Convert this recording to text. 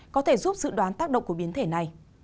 có thể giúp dự đoán tác động của biến thể này